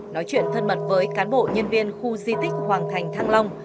nói chuyện thân mật với cán bộ nhân viên khu di tích hoàng thành thăng long